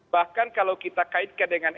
bahkan kalau kita kaitkan dengan